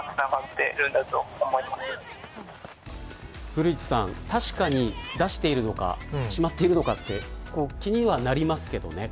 古市さん、確かに出しているのかしまっているのかって気にはなりますけどね。